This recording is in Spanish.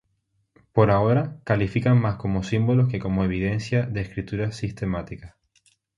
Por ahora, califican más como símbolos que como evidencia de escritura sistemática.